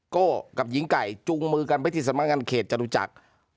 โก้กับหญิงไก่จูงมือกันไปที่สำนักงานเขตจรุจักร